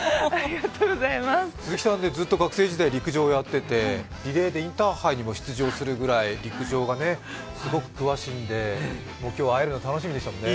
鈴木さんね、ずっと学生時代、陸上をやっててリレーでインターハイにも出場するくらい陸上にすごく詳しいので、今日は会えるのが楽しみでしたもんね？